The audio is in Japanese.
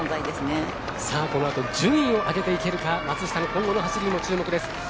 このあと順位を上げていけるか松下の今後の走りにも注目です。